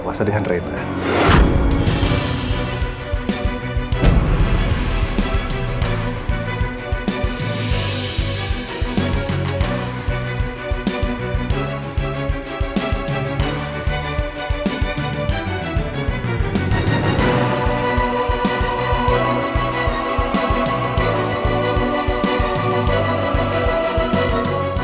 mas biar dia tentu